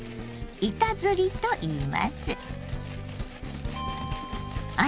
板ずりといいます。